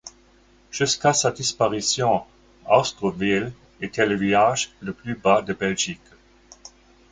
Jusqu'à sa disparition, Austruweel était le village le plus bas de Belgique.